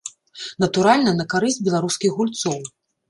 Натуральна, на карысць беларускіх гульцоў.